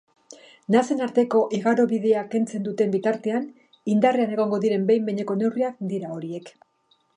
Nasen arteko igarobidea kentzen duten bitartean indarrean egongo diren behin-behineko neurriak dira horiek.